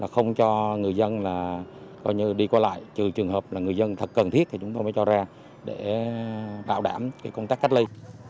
không cho người dân đi qua lại trừ trường hợp người dân thật cần thiết thì chúng tôi mới cho ra để bảo đảm công tác cách ly